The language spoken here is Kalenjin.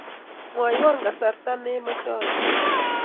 Mwaiwo kasarta ne mache anyo